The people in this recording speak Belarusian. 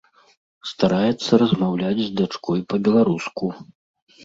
Стараецца размаўляць з дачкой па-беларуску.